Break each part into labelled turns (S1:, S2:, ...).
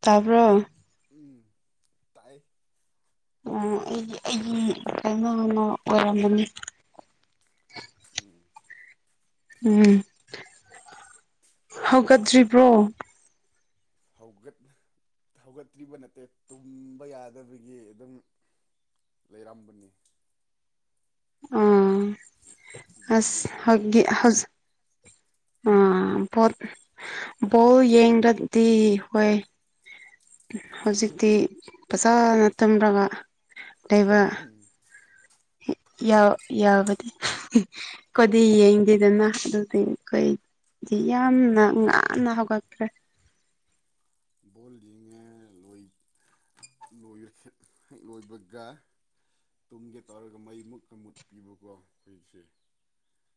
S1: ꯇꯥꯕ꯭ꯔꯣ
S2: ꯎꯝ ꯇꯥꯏ
S1: ꯎꯝ ꯑꯩꯒꯤ ꯑꯩꯒꯤ [unintelligible] ꯑꯣꯏꯔꯝꯕꯅꯦ
S2: ꯎꯝ
S1: ꯎꯝ ꯍꯧꯒꯠꯇ꯭ꯔꯤꯕ꯭ꯔꯣ
S2: ꯍꯧꯒꯠ ꯍꯧꯒꯠꯇ꯭ꯔꯤꯕ ꯅꯠꯇꯦ ꯇꯨꯝꯕ ꯌꯥꯗꯕꯒꯤ ꯑꯗꯨꯝ ꯂꯩꯔꯝꯕꯅꯤ
S1: ꯑꯣ
S2: ꯕꯣꯜ
S1: ꯑꯁ
S2: ꯌꯦꯡꯕꯗꯨꯗ
S1: ꯍꯧꯒꯤ ꯍꯧꯖꯤꯛ ꯑꯥ ꯕꯣꯠ ꯕꯣꯜ ꯌꯦꯡꯗ꯭ꯔꯗꯤ ꯍꯣꯏ ꯍꯖꯤꯛꯇꯤ ꯐꯖꯥꯅ ꯇꯨꯝꯔꯒ ꯂꯩꯕ
S2: ꯎꯝ
S1: ꯌꯥꯎ ꯌꯥꯕꯗꯤ ꯑꯩꯈꯣꯏꯗꯤ ꯌꯦꯡ ꯗꯅ ꯑꯗꯨꯗꯤ ꯑꯩꯈꯣꯏꯗꯤ ꯌꯥꯝꯅ ꯉꯥꯡꯟꯅ ꯍꯧꯒꯛꯇ꯭ꯔꯦ
S2: ꯕꯣꯜ ꯌꯦꯡꯉꯦ ꯍꯥꯏꯔꯒ ꯂꯣꯏ [unintelligible] ꯂꯣꯏ ꯍꯦꯛ ꯂꯣꯏꯕꯒ ꯇꯨꯝꯒꯦ ꯇꯧꯔꯒ ꯃꯩ ꯃꯨꯠꯀ ꯃꯨꯠꯄꯤꯕꯀꯣ ꯑꯩꯈꯣꯏꯁꯦ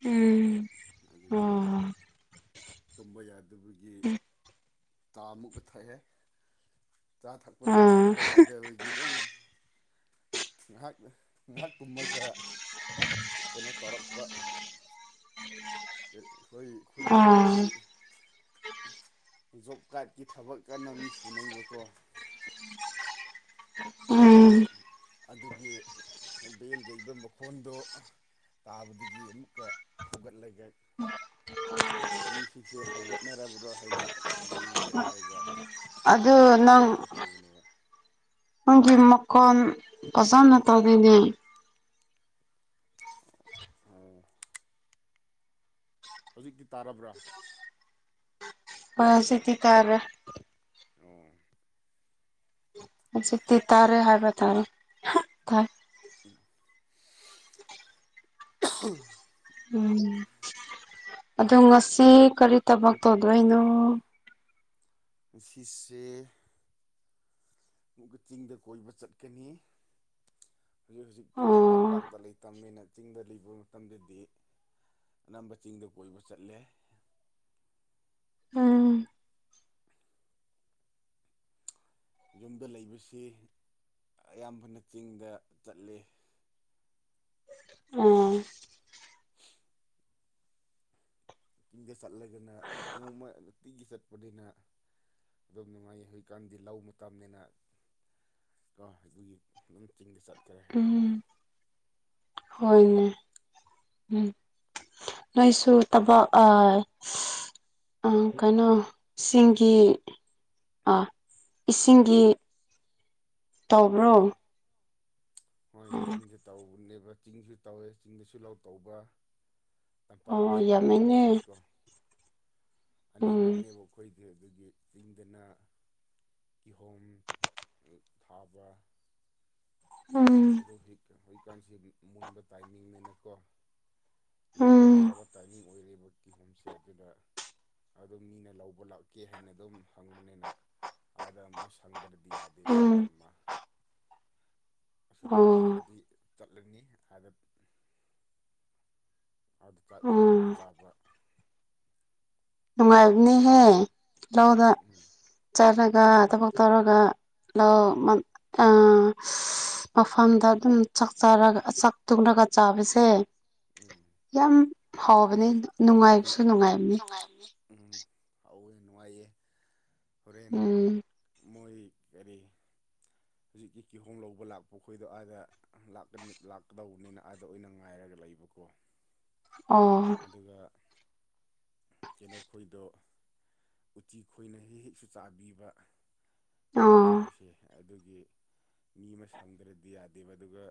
S1: ꯎꯝ
S2: ꯑꯗꯨꯒꯤ
S1: ꯑꯣ
S2: ꯇꯨꯝꯕ ꯌꯥꯗꯕꯒꯤ ꯆꯥ ꯃꯨꯛꯀ ꯊꯛꯑꯦ ꯆꯥ ꯊꯛꯄꯗꯒꯤ ꯇꯨꯝꯕ
S1: ꯑꯥ
S2: ꯌꯥꯗꯦ ꯑꯩꯗꯒꯤ ꯑꯗꯨꯝ ꯉꯍꯥꯛ ꯉꯍꯥꯛ ꯇꯨꯝꯃꯒ ꯀꯩꯅꯣ ꯇꯧꯔꯛꯄ
S1: [unintelligible]
S2: ꯑꯩꯈꯣꯏ ꯈꯨꯟꯗ
S1: ꯑꯥ
S2: ꯍꯧꯖꯤꯛꯀꯤ ꯖꯣꯕ ꯀꯥ꯭ꯔꯟꯒꯤ ꯊꯕꯛ ꯀꯟꯅ ꯃꯤ ꯁꯨꯅꯩꯕꯀꯣ
S1: ꯎꯝ
S2: ꯑꯗꯨꯒꯤ ꯕꯦꯜ ꯌꯩꯕꯠ ꯃꯈꯣꯟꯗꯣ ꯇꯥꯕꯗꯒꯤ ꯑꯃꯨꯛꯀ ꯍꯧꯒꯠꯂꯒ ꯃꯤꯁꯤꯡꯁꯦ ꯍꯧꯒꯠꯅꯔꯕ꯭ꯔꯣ ꯍꯥꯏꯅ ꯌꯦꯡꯒꯦ ꯍꯥꯏꯔꯒ
S1: ꯑꯗꯨ ꯅꯪ [inaudible]
S2: ꯀꯩꯅꯣ ꯇꯧꯕꯅꯦꯕ
S1: ꯅꯪꯒꯤ ꯃꯈꯣꯟ ꯐꯖꯅ ꯇꯧꯔꯤꯅꯦ
S2: ꯑꯥ ꯍꯧꯖꯤꯛꯇꯤ ꯇꯥꯔꯕ꯭ꯔꯥ
S1: ꯍꯣꯏ ꯍꯧꯖꯤꯛꯇꯤ ꯇꯥꯒꯔꯦ
S2: ꯑꯣ
S1: ꯍꯧꯖꯤꯛꯇꯤ ꯇꯥꯔꯦ ꯍꯥꯏꯕ ꯇꯥꯔꯦ ꯇꯥꯏ
S2: [unintelligible]
S1: ꯎꯝ ꯑꯗꯣ ꯉꯁꯤ ꯀꯔꯤ ꯊꯕꯛ ꯇꯧꯗꯣꯏꯅꯣ
S2: ꯉꯁꯤꯁꯦ ꯑꯃꯨꯛꯀ ꯆꯤꯡꯗ ꯀꯣꯏꯕ ꯆꯠꯀꯅꯤ ꯍꯧꯖꯤꯛ ꯍꯧꯖꯤꯛꯇꯤ
S1: ꯑꯣ
S2: ꯇꯝꯄꯥꯛꯇ ꯂꯩꯇꯕꯅꯤꯅ ꯆꯤꯡꯗ ꯂꯩꯕ ꯃꯇꯝꯗꯗꯤ ꯑꯅꯝꯕ ꯆꯤꯡꯗ ꯀꯣꯏꯕ ꯆꯠꯂꯦ
S1: ꯎꯝ
S2: ꯌꯨꯝꯗ ꯂꯩꯕꯁꯤ ꯑꯌꯥꯝꯕꯅ ꯆꯤꯡꯗ ꯆꯠꯂꯤ
S1: ꯑꯥ
S2: [inaudible] ꯆꯤꯡꯗ ꯆꯠꯂꯒꯅ ꯆꯥꯠ ꯅꯣꯡꯃ ꯅꯨꯡꯇꯤꯒꯤ ꯆꯠꯄꯅꯤꯅ ꯑꯗꯨꯝ ꯅꯨꯡꯉꯥꯏ ꯍꯧꯖꯤꯛꯀꯥꯟꯗꯤ ꯂꯧ ꯃꯇꯝꯅꯤꯅ ꯀꯣ ꯑꯗꯨꯒꯤ ꯑꯗꯨꯝ ꯆꯤꯡꯗ ꯆꯠ
S1: ꯎꯝ ꯍꯣꯏꯅꯦ ꯎꯝ ꯅꯣꯏꯁꯨ ꯇꯕꯛ ꯑ ꯑꯥ ꯀꯩꯅꯣ ꯁꯤꯡꯒꯤ ꯑꯥ ꯏꯁꯤꯡꯒꯤ ꯇꯧꯕ꯭ꯔꯣ
S2: ꯎꯝ ꯍꯣꯏ ꯆꯤꯡꯗ ꯇꯧꯕꯅꯦꯕ ꯆꯤꯡꯁꯨ ꯇꯧꯋꯦ ꯆꯤꯡꯗꯁꯨ ꯂꯧ ꯇꯧꯕ
S1: ꯑꯣ
S2: ꯇꯝꯄꯥꯛꯇꯁꯨ ꯇꯧꯕ
S1: ꯌꯥꯝꯃꯦꯅꯦ
S2: ꯑꯈꯣꯏꯒꯤꯀꯣ
S1: ꯎꯝ
S2: ꯑꯅꯤꯃꯛꯅꯦꯕ ꯈꯣꯏꯗꯤ ꯑꯗꯨꯒꯤ ꯆꯤꯡꯗꯅ ꯀꯤꯍꯣꯝ ꯊꯥꯕ
S1: ꯎꯝ
S2: ꯑꯗꯨ ꯍꯧꯖꯤꯛ ꯍꯧꯖꯤꯛꯀꯥꯟꯁꯤ ꯃꯨꯟꯕ ꯇꯥꯏꯃꯤꯡꯅꯦꯅꯀꯣ ꯂꯧꯕ
S1: ꯎꯝ
S2: ꯌꯥꯔꯕ ꯇꯥꯏꯃꯤꯡ ꯑꯣꯏꯔꯦꯕ ꯀꯤꯍꯣꯝꯁꯦ ꯑꯗꯨꯅ ꯑꯗꯨ ꯃꯤꯅ ꯂꯧꯕ ꯂꯥꯛꯀꯦ ꯍꯥꯏꯅ ꯑꯗꯨꯝ ꯍꯪꯕꯅꯤꯅ ꯑꯥꯗ ꯑꯃ ꯁꯪꯗ꯭ꯔꯗꯤ ꯌꯥꯗ ꯃꯤ
S1: ꯎꯝ
S2: ꯑꯃ ꯑꯁ
S1: ꯑꯣ
S2: ꯉꯍꯥꯛ ꯂꯩꯔꯗꯤ ꯆꯠꯂꯅꯤ ꯑꯗ ꯑꯗ ꯆꯥꯛ
S1: ꯎꯝ
S2: ꯊꯣꯡꯉꯒ ꯆꯥꯕ
S1: ꯅꯨꯡꯉꯥꯏꯕꯅꯤꯍꯦ ꯂꯧꯗ
S2: ꯎꯝ
S1: ꯆꯠꯂꯒ ꯊꯕꯛ ꯇꯧꯔꯒ ꯂꯧ ꯃꯛ ꯑ ꯃꯐꯝꯗ ꯑꯗꯨꯝ ꯆꯥꯛ ꯆꯔꯒ ꯆꯥꯛ ꯇꯨꯡꯂꯒ ꯆꯥꯕꯁꯦ
S2: ꯎꯝ
S1: ꯌꯥꯝ ꯍꯥꯎꯕꯅꯦ ꯅꯨꯡꯉꯥꯏꯕꯁꯨ ꯅꯨꯡꯉꯥꯏꯕꯅꯤ
S2: ꯎꯝ ꯍꯧꯋꯦ ꯅꯨꯡꯉꯥꯏꯌꯦ ꯍꯣꯔꯦꯟ
S1: ꯎꯝ
S2: ꯃꯣꯏ ꯀꯔꯤ ꯍꯧꯖꯤꯛꯀꯤ ꯀꯤꯍꯣꯝ ꯂꯧꯕ ꯂꯥꯛꯄ ꯈꯣꯏꯗꯣ ꯑꯗ ꯂꯛꯀꯟ ꯂꯥꯛꯀꯗꯧꯕꯅꯤꯅ ꯑꯥꯗ ꯑꯣꯏꯅ ꯉꯥꯏꯔꯒ ꯂꯩꯕꯀꯣ
S1: ꯑꯣ
S2: ꯗꯨꯒ ꯀꯩꯅꯣ ꯈꯣꯏꯗꯣ ꯎꯆꯤ ꯈꯣꯏꯅ ꯍꯦꯛ ꯍꯦꯛꯁꯨ ꯆꯥꯕꯤꯕ
S1: ꯑꯣ
S2: ꯀꯤꯍꯣꯝ ꯍꯣꯏꯏꯁꯦ ꯑꯗꯨꯒꯤ ꯃꯤ ꯑꯃ ꯁꯪꯗ꯭ꯔꯗꯤ ꯌꯥꯗꯦꯕ ꯑꯗꯨꯒ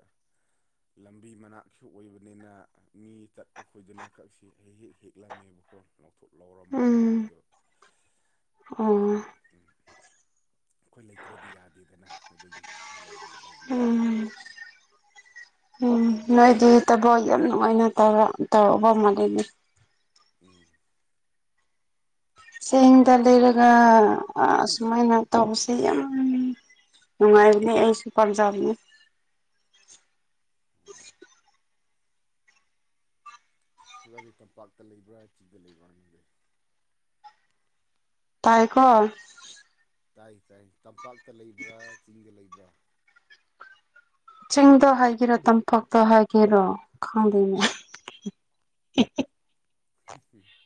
S2: ꯂꯝꯕꯤ ꯃꯅꯥꯛꯁꯨ ꯑꯣꯏꯕꯅꯤꯅ ꯃꯤ ꯆꯠꯄ ꯈꯣꯏꯗꯨꯅ ꯈꯛꯁꯤ ꯍꯦꯛ ꯍꯦꯛ ꯍꯦꯛꯂꯝꯃꯦꯕꯀꯣ ꯊꯣꯠ ꯂꯧꯎꯔꯝꯕ
S1: ꯎꯝ
S2: ꯑꯗꯨꯈꯣꯏꯗꯣ
S1: ꯑꯣ
S2: ꯀꯔꯤ ꯑꯩꯈꯣꯏ ꯂꯩꯇ꯭ꯔꯗꯤ ꯌꯥꯗꯦꯗꯅ ꯑꯗꯨꯒꯤ ꯂꯩꯔꯨꯒꯗꯧꯕꯅꯦꯕ
S1: ꯎꯝ ꯎꯝ ꯅꯣꯏꯗꯤ ꯊꯕꯛ ꯌꯥꯝ ꯅꯨꯡꯉꯥꯏꯅ ꯇꯧꯔ ꯇꯧꯔꯕ ꯃꯥꯂꯦꯅꯦ
S2: ꯎꯝ
S1: ꯆꯦꯡꯗ ꯂꯩꯔꯒ ꯑꯁꯨꯃꯥꯏꯅ ꯇꯧꯕꯁꯦ ꯌꯥꯝ ꯅꯨꯡꯉꯥꯏꯕꯅꯦ ꯑꯩꯁꯨ ꯄꯥꯝꯖꯥꯕꯅꯦ
S2: ꯎꯝ [unintelligible] ꯇꯝꯄꯥꯛꯇ ꯂꯩꯕ꯭ꯔꯥ ꯆꯤꯡꯗ ꯂꯩꯕ꯭ꯔꯥ ꯅꯪꯗꯤ
S1: ꯇꯥꯏꯀꯣ
S2: ꯇꯥꯏ ꯇꯥꯏ ꯇꯝꯄꯥꯛꯇ ꯂꯩꯕ꯭ꯔꯥ ꯆꯤꯡꯗ ꯂꯩꯕ꯭ꯔꯥ
S1: ꯆꯤꯡꯗꯣ ꯍꯥꯏꯒꯦꯔꯣ ꯇꯝꯄꯥꯛꯇ ꯍꯥꯏꯒꯦꯔꯣ ꯈꯪꯗꯦꯅꯦ
S2: [inaudible]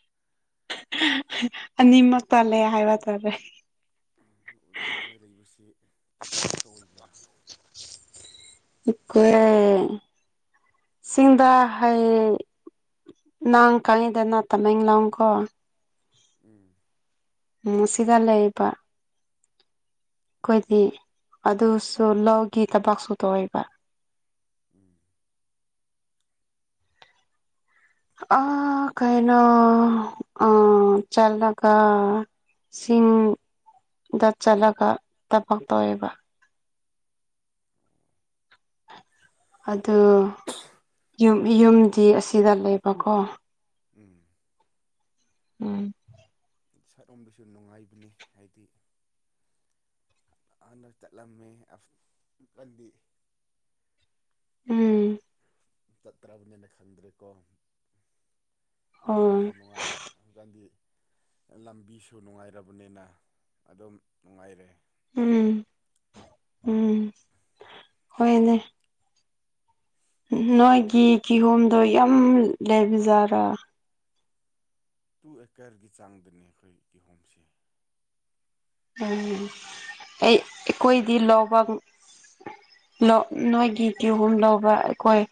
S1: ꯑꯅꯤꯃꯛ ꯇꯟꯂꯦ ꯍꯥꯏꯕ ꯇꯥꯔꯦ
S2: ꯑꯗꯨꯗꯤ ꯅꯣꯏ ꯂꯩꯕꯁꯤ ꯇꯝꯄꯥꯛꯇ ꯑꯣꯏꯕ꯭ꯔꯥ
S1: ꯑꯩꯈꯣꯏ ꯆꯤꯡꯗ ꯍꯩ ꯅꯪ ꯈꯪꯉꯤꯗꯅ ꯇꯃꯦꯡꯂꯣꯡꯀꯣ
S2: ꯎꯝ
S1: ꯎꯝ ꯁꯤꯗ ꯂꯩꯕ
S2: ꯑꯣ
S1: ꯑꯩꯈꯣꯏꯗꯤ ꯑꯗꯨꯁꯨ ꯂꯧꯒꯤ ꯊꯕꯛꯁꯨ ꯇꯧꯌꯦꯕ
S2: ꯎꯝ
S1: ꯑ
S2: ꯐꯩꯅꯤ
S1: ꯀꯩꯅꯣ ꯆꯜꯂꯒ ꯁꯤꯡ ꯗ ꯆꯠꯂꯒ ꯊꯕꯛ ꯇꯧꯋꯦꯕ ꯑꯗꯨ ꯃꯤꯌꯨꯝꯗꯤ ꯑꯁꯤꯗ ꯂꯩꯕꯀꯣ
S2: ꯎꯝ
S1: ꯎꯝ
S2: ꯁꯥꯏꯠꯔꯣꯝꯕꯩꯁꯨ ꯅꯨꯡꯉꯥꯏꯕꯅꯤ ꯍꯥꯏꯗꯤ ꯍꯥꯟꯅ ꯆꯠꯂꯝꯃꯦ [unintelligible]
S1: ꯎꯝ
S2: ꯆꯠꯇ꯭ꯔꯕꯅꯤꯅ ꯈꯪꯗ꯭ꯔꯦꯀꯣ
S1: ꯍꯣꯏ
S2: ꯂꯝꯕꯤꯁꯨ ꯅꯨꯡꯉꯥꯏ ꯀꯥꯟꯗꯤ ꯂꯝꯕꯤꯁꯨ ꯅꯨꯡꯉꯥꯏꯔꯕꯅꯤꯅ ꯑꯗꯨꯝ ꯅꯨꯡꯉꯥꯏꯔꯦ
S1: ꯎꯝ ꯎꯝ ꯍꯣꯏꯅꯦ ꯅꯣꯏꯒꯤ ꯀꯤꯍꯣꯝꯗꯣ ꯌꯥꯝ ꯂꯩꯕꯖꯥꯔꯥ
S2: ꯇꯨ ꯑꯦꯀꯔꯒꯤ ꯆꯥꯡꯗꯅꯦ ꯑꯩꯈꯣꯏ ꯀꯤꯍꯣꯝꯁꯦ
S1: ꯎꯝ ꯑꯩ ꯑꯩꯈꯣꯏꯗꯤ ꯂꯧꯕ ꯅꯣꯏꯒꯤ ꯀꯤꯍꯣꯝ ꯂꯧꯕ ꯑꯩꯈꯣꯏ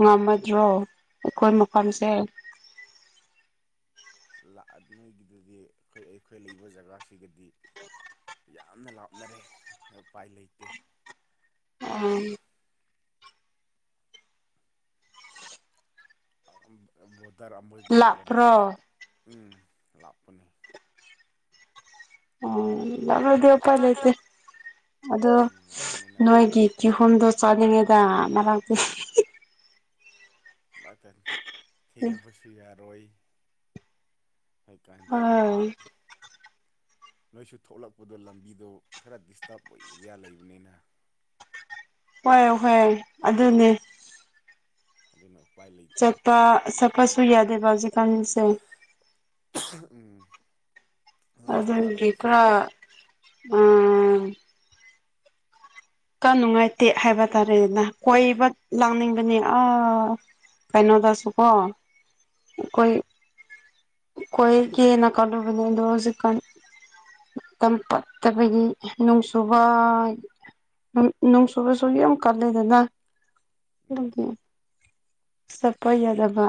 S1: ꯉꯝꯃꯗ꯭ꯔꯣ ꯑꯩꯈꯣꯏ ꯃꯐꯝꯁꯦ
S2: ꯂꯥꯛꯑ ꯅꯣꯏꯒꯤꯗꯨꯗꯤ ꯑꯩꯈꯣꯏ ꯑꯩꯈꯣꯏ ꯂꯩꯕ ꯖꯒꯥꯁꯤꯒꯗꯤ ꯌꯥꯝꯅ ꯂꯥꯞꯅꯔꯦ ꯎꯄꯥꯏ ꯂꯩꯇꯦ
S1: ꯑꯥ
S2: ꯕꯣꯗꯔ ꯑꯃꯒꯤ ꯕꯣꯗꯔ ꯑꯝ
S1: ꯂꯥꯞꯄ꯭ꯔꯣ
S2: ꯎꯝ ꯂꯥꯞꯄꯅꯦ
S1: ꯎꯝ ꯂꯥꯞꯂꯗꯤ ꯎꯄꯥꯏ ꯂꯩꯇꯦ ꯑꯗꯣ
S2: ꯎꯝ ꯂꯥꯞꯄꯅꯤꯅ
S1: ꯅꯣꯏꯒꯤ ꯀꯤꯍꯣꯝꯗꯣ ꯆꯥꯅꯤꯡꯉꯦꯗ ꯑꯃꯔꯛꯇꯤ
S2: ꯃꯊꯪ ꯊꯦꯡꯅꯕꯁꯨ ꯌꯥꯔꯣꯏ ꯍꯥꯏꯀꯥꯟꯗꯤ ꯈꯣꯏꯁꯨ
S1: ꯍꯣꯏ
S2: ꯅꯣꯏꯁꯨ ꯊꯣꯛꯂꯛꯄꯗꯣ ꯂꯝꯕꯤꯗꯣ ꯈꯔ ꯗꯤꯁꯇꯞ ꯑꯦꯔꯤꯌꯥ ꯂꯩꯕꯅꯤꯅ
S1: ꯍꯣꯏ ꯍꯣꯏ ꯑꯗꯨꯅꯦ
S2: ꯑꯗꯨꯅ ꯎꯄꯥꯏ ꯂꯩ
S1: ꯆꯠꯄ ꯆꯠꯄꯁꯨ ꯌꯥꯗꯦꯕ ꯍꯧꯖꯤꯛꯀꯥꯟꯁꯦ
S2: ꯎꯝ ꯂꯥꯁ꯭ꯇꯇ ꯁꯦ
S1: ꯑꯥ ꯀꯥꯟ ꯅꯨꯡꯉꯥꯏꯇꯦ ꯍꯥꯏꯕ ꯇꯥꯔꯦꯅ ꯀꯣꯏꯕ
S2: ꯎꯝ
S1: ꯂꯥꯡꯅꯤꯡꯕꯅꯦ ꯑ ꯀꯩꯅꯣꯗꯁꯨꯀꯣ ꯑꯩꯈꯣꯏ ꯀꯣꯏꯒꯦꯅꯥ ꯀꯜꯂꯨꯕꯅꯦ ꯑꯗꯣ ꯍꯧꯖꯤꯛꯀꯥꯟ ꯇꯝ ꯐꯠꯇꯕꯒꯤ ꯅꯨꯡꯁꯨꯨꯕ ꯅꯣꯡ ꯆꯨꯕꯁꯨ ꯌꯥꯝ ꯀꯟꯂꯦꯗꯅ
S2: ꯎꯝ
S1: ꯑꯗꯨꯒꯤ ꯆꯠꯄ ꯌꯥꯗꯕ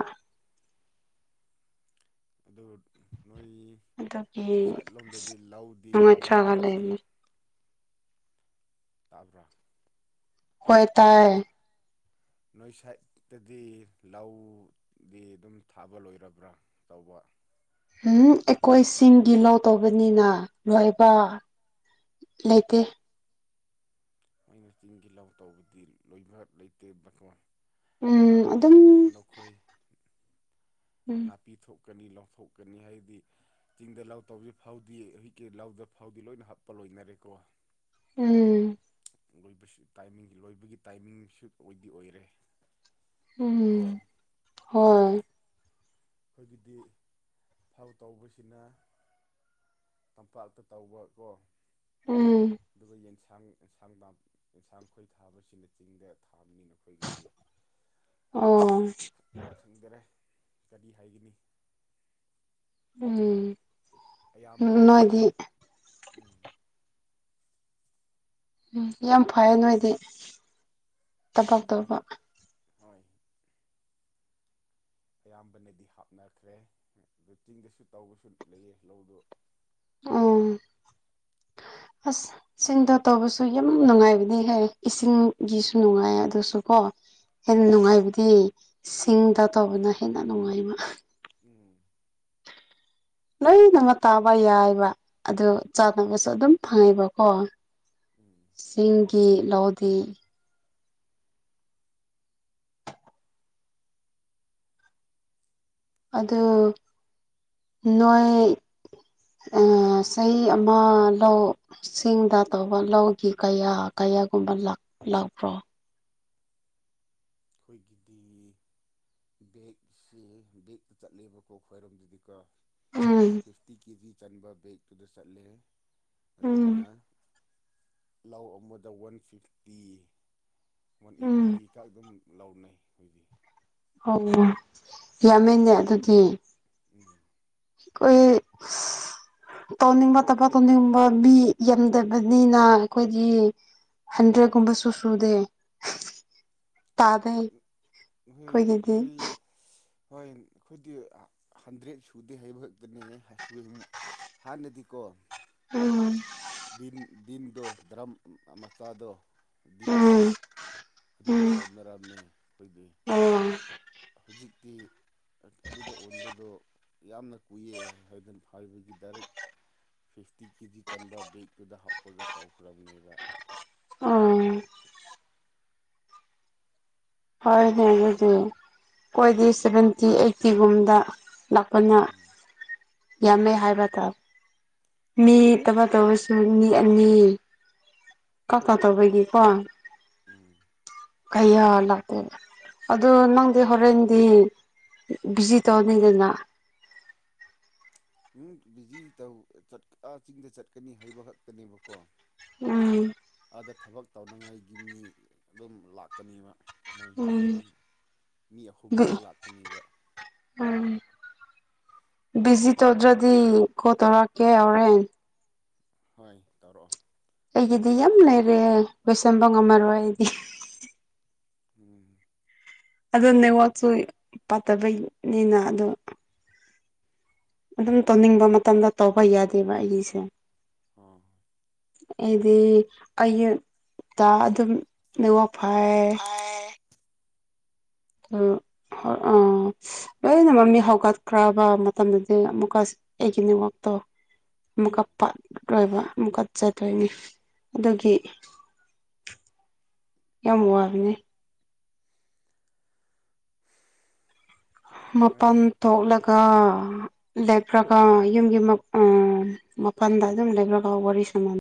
S2: ꯑꯗꯨ ꯅꯣꯏ
S1: ꯑꯗꯨꯒꯤ
S2: ꯁꯥꯏꯠ
S1: ꯑꯁ
S2: ꯂꯣꯝꯗꯗꯤ ꯂꯧꯗꯤ ꯀꯃꯥꯏꯅ
S1: ꯅꯨꯡꯉꯥꯏꯇ꯭ꯔꯒ
S2: ꯇꯧꯔꯒꯦ
S1: ꯂꯩꯕꯅꯤ
S2: ꯇꯥꯕ꯭ꯔꯥ
S1: ꯍꯣꯏ ꯇꯥꯏ
S2: ꯅꯣꯏ ꯁꯥꯏꯠꯇꯗꯤ ꯂꯧꯗꯤ ꯑꯗꯨꯝ ꯊꯥꯕ ꯂꯣꯏꯔꯕ꯭ꯔꯥ ꯇꯧꯕ꯫
S1: ꯎꯝ ꯑꯩꯈꯣꯏꯁꯤꯡꯒꯤ ꯂꯧ ꯇꯧꯕꯅꯤꯅ ꯂꯣꯏꯕꯥ꯫ ꯂꯩꯇꯦ꯫
S2: ꯍꯣꯏꯅ ꯆꯤꯡꯒꯤ ꯂꯧ ꯇꯧꯕꯗꯤ ꯂꯣꯏꯕꯥꯛ ꯂꯩꯇꯦ
S1: ꯎꯝ
S2: ꯅ
S1: ꯑꯗꯨꯝ
S2: ꯀꯩꯅꯣ ꯈꯣꯏ꯫
S1: ꯎꯝ
S2: ꯅꯥꯄꯤ ꯊꯣꯛꯀꯅꯤ ꯂꯧꯊꯣꯛꯀꯅꯤ ꯍꯥꯏꯗꯤ꯫ ꯆꯤꯡꯗ ꯂꯥꯎ ꯇꯧꯕꯁꯤ ꯐꯥꯎꯗꯤ ꯍꯧꯖꯤꯛꯀꯤ ꯂꯧꯗ ꯐꯥꯎꯗꯤ ꯂꯣꯏꯅ ꯍꯥꯞꯄ ꯂꯣꯏꯅꯔꯦꯀꯣ꯫
S1: ꯎꯝ
S2: ꯂ‌ꯣꯏꯕꯁꯨ ꯇꯥꯏꯃꯤꯡ ꯂꯣꯏꯕꯒꯤ ꯇꯥꯏꯃꯤꯡꯁꯨ ꯑꯣꯏꯗꯤ ꯑꯣꯏꯔꯦ ꯀꯣ
S1: ꯎꯝ ꯍꯣꯏ
S2: ꯑꯩꯈꯣꯏꯒꯤꯗꯤ ꯊꯥꯎ ꯇꯧꯕꯁꯤꯅ ꯇꯝꯄꯥꯛꯇ ꯇꯧꯕ ꯀꯣ
S1: ꯎꯝ
S2: ꯑꯗꯨꯒ ꯌꯦꯟꯁꯥꯡ ꯑꯦꯟꯁꯥꯡ ꯌꯦꯟꯁꯥꯡ ꯈꯣꯏ ꯊꯥꯕꯁꯤꯅ ꯆꯤꯡꯗ ꯊꯥꯕꯅꯤꯅ ꯑꯩꯈꯣꯏꯒꯤꯗꯤ
S1: ꯑꯣ
S2: ꯈꯪꯗꯔꯦ ꯀꯔꯤ ꯍꯥꯏꯒꯅꯤ꯫
S1: ꯎꯝ꯫
S2: ꯑꯌꯥꯝꯕꯅꯁꯨ
S1: ꯅꯣꯏꯗꯤ
S2: ꯎꯝ꯫
S1: ꯎꯝ ꯌꯥꯝ ꯐꯩ ꯅꯣꯏꯗꯤ꯫ ꯊꯕꯛ ꯇꯧꯕ
S2: ꯌꯥꯝꯕ ꯍꯣꯏ꯫ ꯑꯌꯥꯝꯕꯅꯗꯤ ꯍꯥꯞꯅꯈ꯭ꯔꯦ ꯑꯗꯨ ꯆꯤꯡꯗꯁꯨ ꯇꯧꯕꯁꯨ ꯂꯩꯌꯦ ꯂꯧꯗꯨ꯫
S1: ꯑꯣ ꯑꯁ꯫ ꯆꯤꯡꯗ ꯇꯧꯕꯁꯨ ꯌꯥꯝ ꯅꯨꯡꯉꯥꯏꯕꯅꯤꯍ‌ꯦ ꯏꯁꯤꯡꯒꯤꯁꯨ ꯅꯨꯡꯉꯥꯏꯌꯦ ꯑꯗꯨꯁꯨ ꯀꯣ꯫ ꯍꯦꯟꯅ ꯅꯨꯡꯉꯥꯏꯕꯗꯤ ꯁꯤꯡꯗ ꯇꯧꯕꯅ ꯍꯦꯟꯅ ꯅꯨꯡꯉꯥꯏꯕ꯫
S2: ꯎꯝ꯫
S1: ꯂꯣꯏꯅꯃꯛ ꯇꯥꯕ ꯌꯥꯏꯕ ꯑꯗꯨ
S2: ꯎꯝ
S1: ꯆꯥꯅꯕꯁꯨ ꯑꯗꯨꯝ ꯐꯪꯉꯦꯕꯀꯣ꯫
S2: ꯎꯝ꯫
S1: ꯆꯤꯡꯒꯤ ꯂꯧꯗꯤ꯫ ꯑꯗꯨ ꯅꯣꯏ꯫ ꯑꯥ ꯆꯍꯤ ꯑꯃ ꯂꯧ꯫ ꯆꯤꯡꯗ ꯇꯧꯕ ꯂꯧꯒꯤ ꯀꯌꯥ ꯀꯌꯥꯒꯨꯝꯕ ꯂꯥꯛ ꯂꯥꯛꯄ꯭ꯔꯣ꯫
S2: ꯑꯩꯈꯣꯏꯒꯤꯗꯤ꫰꫰ ꯕꯦꯛꯁꯤ ꯕꯦꯛꯇ ꯆꯠꯂꯦꯕꯀꯣ ꯈ꯭ꯋꯥꯏꯔꯣꯝꯗꯗꯤꯀꯣ꯫
S1: ꯎꯝ꯫
S2: ꯐꯤꯐꯇꯤ ꯀꯦꯖꯤ ꯆꯟꯕ ꯕꯦꯛꯇꯨꯗ ꯆꯠꯂꯦ ꯑꯗꯨꯅ꯫
S1: ꯎꯝ
S2: ꯂꯧ ꯑꯃꯗ ꯋꯥꯟ ꯐꯤꯐꯇꯤ꯫ ꯋꯥꯟ ꯑꯦꯠꯇꯤ
S1: ꯎꯝ
S2: ꯒ ꯑꯗꯨꯝ ꯂꯧꯅꯩ ꯑꯩꯈꯣꯏꯗꯤ꯫
S1: ꯑꯣ ꯌꯥꯝꯃꯤꯅꯦ ꯑꯗꯨꯗꯤ꯫
S2: ꯎꯝ꯫
S1: ꯑꯈꯣꯏ꯫ ꯇꯧꯅꯤꯡꯕ ꯊꯕꯛ ꯇꯧꯅꯤꯡꯕ ꯃꯤ ꯌꯥꯝꯗꯕꯅꯤꯅ ꯑꯩꯈꯣꯏꯗꯤ꯫ ꯍꯟꯗꯔꯦꯠ ꯒꯨꯝꯕꯁꯨ ꯁꯨꯗꯦ꯫ ꯇꯥꯗꯦ
S2: [unintelligible]
S1: ꯑꯩꯈꯣꯏꯒꯤꯗꯤ
S2: ꯕꯨꯏ꯫ ꯍꯣꯏ ꯑꯩꯈꯣꯏꯗꯤ ꯍꯟꯗ꯭ꯔꯦꯠ ꯁꯨꯗꯦ ꯍꯥꯏꯕ ꯈꯛꯇꯅꯦ꯫ [unintelligible] ꯍꯥꯟꯅꯗꯤꯀꯣ꯫
S1: ꯎꯝ
S2: ꯗꯤꯟ ꯗꯤꯟꯗꯣ ꯗꯔꯝ ꯃꯆꯥꯗꯣ ꯗꯤꯟꯗꯣ꯫
S1: ꯎꯝ
S2: ꯑꯗꯨꯗ
S1: ꯎꯝ
S2: ꯑꯣꯟꯅꯔꯝꯃꯦ ꯑꯩꯈꯣꯏꯗꯤ꯫
S1: ꯑꯣ
S2: ꯍꯧꯖꯤꯛꯇꯤ꯫ ꯑꯗꯨꯗ ꯑꯣꯟꯕꯗꯣ ꯌꯥꯝꯅ ꯀꯨꯏꯌꯦ ꯍꯥꯏꯗꯅ ꯍꯥꯏꯕꯒꯤ ꯗꯥꯏꯔꯦꯛ꯫ ꯐꯤꯐꯇꯤ ꯀꯦ ꯖꯤ ꯆꯟꯕ ꯕꯦꯛꯇꯨꯗ ꯍꯥꯞꯄꯒ ꯇꯧꯈ꯭ꯔꯕꯅꯦꯕ
S1: ꯑꯣ ꯍꯣꯏꯅꯦ ꯑꯗꯨꯅꯦ ꯀꯣꯏꯗꯦ ꯁꯚꯦꯟꯇꯤ ꯑꯩꯠꯇꯤꯒꯨꯝꯗ ꯂꯥꯛꯄꯅ
S2: ꯎꯝ
S1: ꯌꯥꯝꯃꯦ ꯍꯥꯏꯕ ꯇꯥ
S2: ꯍꯣꯏ
S1: ꯃꯤꯇꯕ ꯇꯧꯔꯁꯨ ꯃꯤ ꯑꯅꯤ ꯀꯛ ꯀ ꯇꯧꯕꯒꯤꯀꯣ
S2: ꯎꯝ
S1: ꯀꯌꯥꯅ ꯑꯗꯨ ꯅꯪꯗꯤ ꯍꯣꯔꯦꯟꯗꯤ ꯕꯤꯖꯤ ꯇꯧꯅꯤꯗꯅ
S2: ꯎ ꯕꯤꯖꯤ ꯇꯧ ꯑꯥ ꯆꯤꯡꯗ ꯆꯠꯀꯅꯤ ꯍꯥꯏꯕ ꯈꯛꯇꯅꯤꯕꯀꯣ
S1: ꯎꯝ
S2: ꯑꯗ ꯊꯕꯛ ꯇꯧꯅꯉꯥꯏꯒꯤ ꯃꯤ ꯑꯗꯨꯝ ꯂꯥꯛꯀꯅꯦꯕ꯫ ꯃꯣꯏ ꯃꯤ
S1: ꯎꯝ
S2: ꯃꯤ ꯑꯍꯨꯝꯃꯨꯛꯀ ꯂꯥꯛꯇꯅꯤꯕ꯫
S1: ꯎꯝ ꯚꯤꯖꯤ ꯇꯧꯗ꯭ꯔꯗꯤ ꯀꯣ ꯇꯧꯔꯛꯀꯦ ꯍꯧꯔꯦꯟ꯫
S2: ꯍꯣꯏ ꯇꯧꯔꯛꯑꯣ꯫ ꯑꯩ
S1: ꯑꯩꯒꯤꯗꯤ ꯌꯥꯝ
S2: ꯇꯦꯛꯁ
S1: ꯂꯩꯔꯦ ꯂꯣꯏꯁꯟꯕ ꯉꯝꯃꯔꯣꯏ ꯑꯩꯗꯤ꫰꫰
S2: ꯎꯝ꯫
S1: ꯑꯗꯨꯅꯦ
S2: ꯇꯦꯛꯁ
S1: ꯋꯥꯆꯣꯏ ꯄꯥꯠꯇꯕꯩꯅꯤꯅ ꯑꯗꯣ꯫ ꯑꯗꯨꯝ ꯇꯧꯅꯤꯡꯕ ꯃꯇꯝꯗ ꯇꯧꯕ ꯌꯥꯗꯦꯕ ꯑꯩꯒꯤꯁꯦ꯫
S2: ꯑꯥ꯫
S1: ꯍꯥꯏꯗꯤ ꯑꯌꯨꯛꯇ ꯑꯗꯨꯝ ꯅꯦꯋꯥꯛ ꯐꯥꯏ
S2: [unintelligible]
S1: ꯎꯝ ꯍꯣꯏ ꯑꯥ ꯂꯣꯏꯅ ꯃꯛ ꯃꯤ ꯍꯧꯒꯠꯈ꯭ꯔꯕ ꯃꯇꯝꯗꯗꯤ ꯑꯃꯨꯛꯀ ꯑꯩꯒꯤꯅꯤꯋꯥꯛꯇꯣ ꯑꯃꯨꯛ
S2: ꯎꯝ
S1: ꯀꯞꯄ ꯂꯣꯏꯕ ꯑꯃꯨꯛꯀꯠꯆꯗꯣꯏꯅꯤ ꯑꯗꯨꯒꯤ
S2: ꯍꯣꯏ ꯍꯣꯏ
S1: ꯌꯥꯝ ꯋꯥꯕꯅꯦ ꯃꯄꯥꯟ
S2: ꯑꯉꯥꯡꯗꯤ
S1: ꯊꯣꯛꯂꯒ ꯂꯩꯕ꯭ꯔꯒ ꯌꯨꯝꯒꯤ ꯃꯛ ꯎ ꯃꯄꯜꯗ ꯑꯗꯨꯝ ꯂꯩꯕ꯭ꯔꯒ ꯋꯥꯔꯤ ꯁꯅꯥ